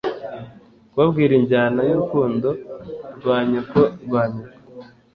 Kubabwira injyana yurukundo rwa nyoko rwa nyoko